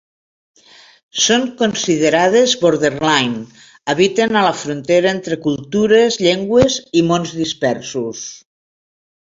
Són considerades ‘borderline’: habiten a la frontera entre cultures, llengües i mons dispersos.